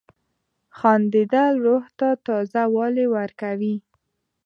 • خندېدل روح ته تازه والی ورکوي.